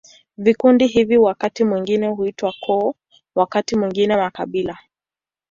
Vikundi hivi wakati mwingine huitwa koo, wakati mwingine makabila.